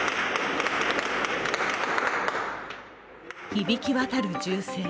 響きわたる銃声。